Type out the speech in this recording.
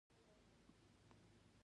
موسسه له یو پلان شوي تشکیل څخه عبارت ده.